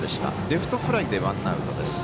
レフトフライでワンアウトです。